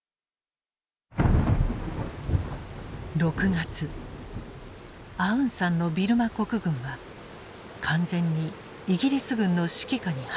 ６月アウンサンのビルマ国軍は完全にイギリス軍の指揮下に入った。